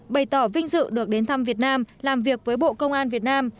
bày tỏ vinh dự được đến thăm việt nam làm việc với bộ công an việt nam